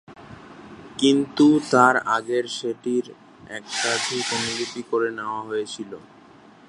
কিন্তু তার আগেই সেটির একাধিক অনুলিপি করে নেওয়া হয়েছিল।